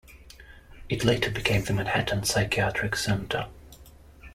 It later became the Manhattan Psychiatric Center.